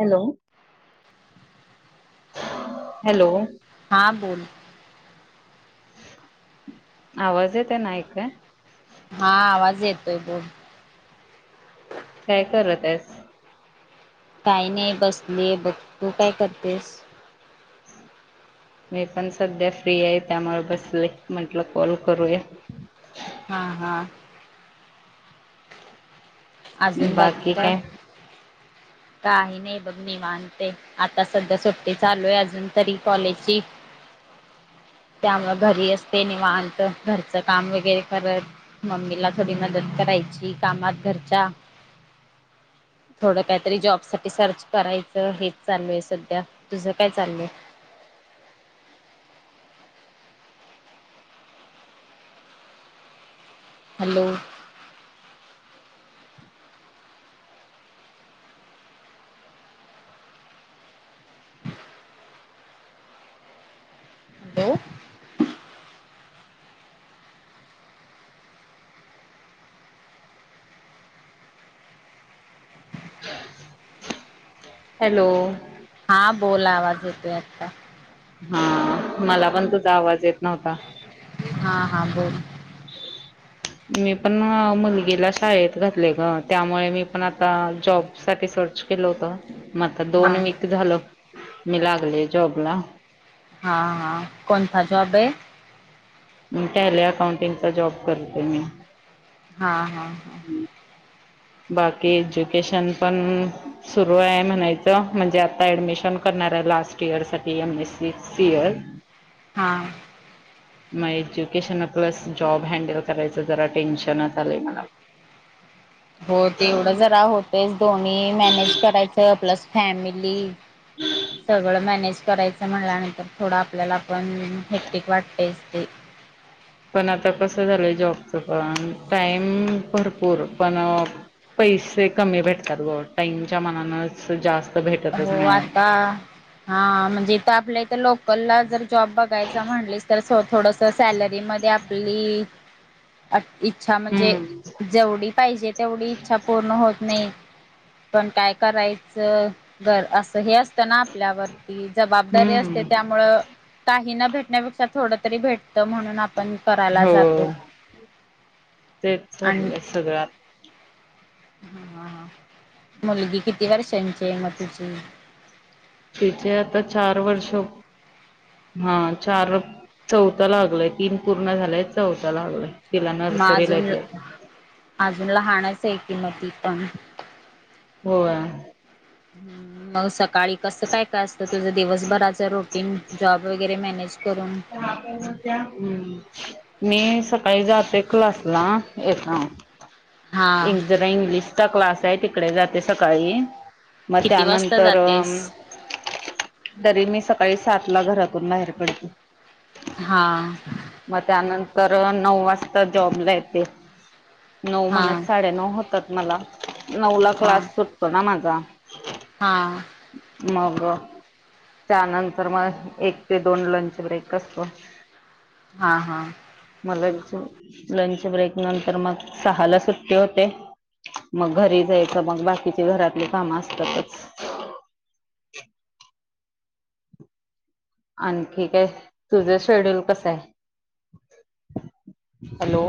Hello! Hello! हां बोल. ! आवाज येत नाही काय? हा आवाज येतोय बोल. काय करत आहेस? काही नाही बसले बघ तू काय करतेस? मी पण सध्या फ्री आहे त्यामुळं बसले म्हटलं कॉल करूया. हा हा! अजून बाकी काय? [inaudible] काही नाही बघ निवांत हे आता सध्या सुट्टी चालू आहे अजून तरी कॉलेजची त्यामुळं घरी असते निवांत घरचं काम वगैरे करत. मम्मीला थोडी मदत करायची कामात घरच्या. [inaudible] थोडं काय तरी जॉब साठी सर्च करायचं हेच चालू आहे सध्या तुझं काय चालू आहे. हॅलो! हॅलो! हॅलो! हा बोल आवाज येतोय आता. हा मला पण तुझा आवाज येत नव्हता. हा हा बोल! [unintelligible] मी पण मुलगीला शाळेत घातलय ग त्यामुळे मी पण आता जॉब साठी सर्च केल होत मग आता दोन हा वीक झालं मी लागले जॉब ला हा हा कोणता जॉब ये टॅली अकाउंटिंगचा जॉब करते मी हा हा हा बाकी एज्युकेशन पण सुरू आहे म्हणायचं म्हणजे आता ऍडमिशन करणार आहे लास्ट इयर साठी एम एस सी एल हा मग एज्युकेशन प्लस जॉब हँडल करायचं जरा टेन्शनच आलय मला हो तेवढं जरा होतयच दोन्ही मॅनेज करायचं प्लस फॅमिली सगळं मॅनेज करायचं म्हणल्यानंतर थोडं आपल्याला पण हेकटिक वाटतयच ते पण आता कसं झालंय जॉबचं पण टाईम भरपूर पण अ पैसे कमी भेटतात ग टाईमच्या मानानच जास्त भेटत हो आता हा म्हणजे इथ आपल्या इथ लोकलला जर जॉब बघायचा म्हणलीस तर थोडस सॅलरीमध्ये आपली इच्छा म्हणजे हम्म जेवढी पाहिजे तेवढी इच्छा पूर्ण होत नाही पण काय करायचं तर असं हे असत ना आपल्यावरती जबाबदारी असते त्या हम्म मुळ काही न भेटण्यापेक्षा थोड तरी भेटत, म्हणून आपण कराला हो जातोय तेच आणि चाललंय सगळं हा हा मुलगी किती वर्षांची आहे, मग तुची तिचे आता चार वर्ष हा चार चौथ लागलय तीन पूर्ण झालेय चौथ लागलाय तिला मग नर्सरीला अजून येते आता अजून लहाणाचं आहे, की म ती पण होय हम् मग सकाळी कसं काय काय असतं, तुझं दिवसभराच रुटिन जॉब वगैरे मॅनेज करून [inaudible] हम मी सकाळी जाते क्लासला एक हा एक जरा इंग्लिशचा क्लास आहे, तिकडे जाते सकाळी मग किती वाजता त्यानंतर अ जातेस तरी मी सकाळी सातला घरातून बाहेर पडते हा मग त्यानंतर नऊ वाजता जॉबला येते नऊ हा म्हणत साडेनऊ होतात, मला नऊला हा क्लास सुटतो ना माझा हा मग त्यानंतर मग एक ते दोन लंच ब्रेक असतो हा हा मग लंच लंच ब्रेक नंतर मग सहाला सुट्टी होते मग घरी जायचं मग बाकीचे घरातले काम असतातच आणखी काय तुझं शेड्यूल कसय hello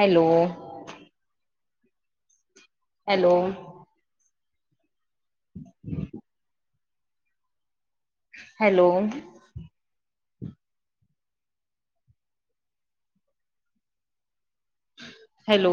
hello hello. Hello. Hello.